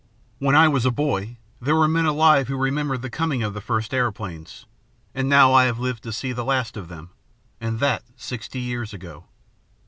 When I was a boy, there were men alive who remembered the coming of the first aeroplanes, and now I have lived to see the last of them, and that sixty years ago."